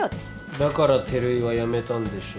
だから照井はやめたんでしょうね。